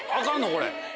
これ。